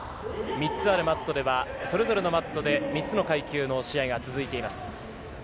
３つあるマットではそれぞれのマットで３つの階級の試合が続いています。